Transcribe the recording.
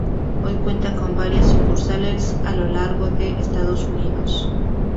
Hoy cuenta con varias sucursales a lo largo de Estados Unidos.